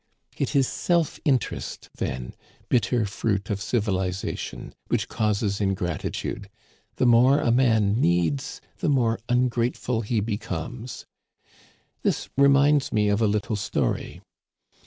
*' It is self interest, then, bitter fruit of civilization, which causes ingratitude ; the more a man needs, the more ungrateful he becomes. This reminds me of a little story.